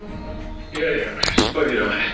「いやいや心配はいらない。